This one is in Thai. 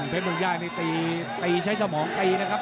เพชรบุญญาเนี่ยตีตีใช้สมองตีนะครับ